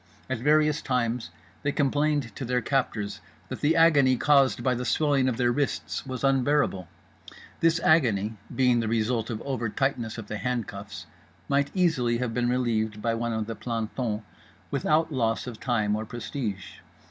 At various times they complained to their captors that the agony caused by the swelling of their wrists was unbearable—this agony, being the result of over tightness of the handcuffs, might easily have been relieved by one of the plantons without loss of time or prestige.